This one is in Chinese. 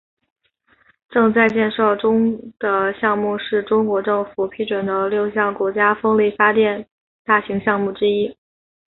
正在建设中的项目是中国政府批准的六项国家风力发电大型项目之一。